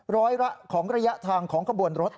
ร้อยละของระยะทางของกระบวนรถ